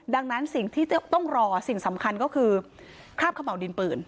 ดังนั้นสิ่งที่จะต้องรอสิ่งสำคัญก็คือคราบขม่าวดินปืน